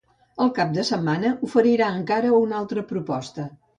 El cap de setmana oferirà encara una altra proposta.